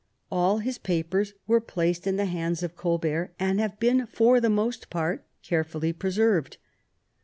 All his papers were placed in the hands of Colbert, and have been for the most part carefully preserved.